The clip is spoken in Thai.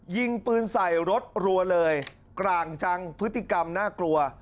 ยิงปืนใส่รถรัวเลยกลางจังพฤติกรรมน่ากลัว